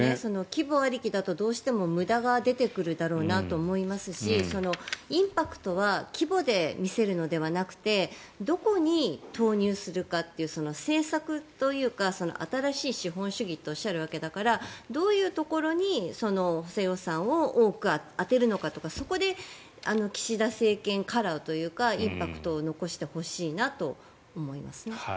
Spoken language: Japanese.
規模ありきだとどうしても無駄が出てくるだろうなと思いますしインパクトは規模で見せるのではなくてどこに投入するかという政策というか新しい資本主義とおっしゃるわけだからどういうところに補正予算を多く充てるのかとかそこで岸田政権カラーというかインパクトを残してほしいなと思いますね。